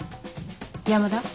山田。